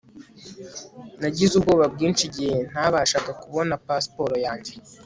Nagize ubwoba bwinshi igihe ntabashaga kubona pasiporo yanjye